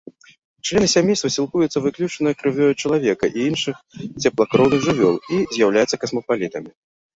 Члены сямейства сілкуюцца выключна крывёю чалавека і іншых цеплакроўных жывёл і з'яўляюцца касмапалітамі.